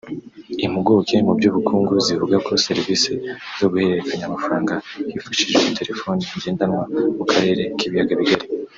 Impuguke mu by’ubukungu zivuga ko serivisi zo guhererekanya amafaranga hifashishijwe telefoni ngendanwa mu karere k’ibiyaga bigari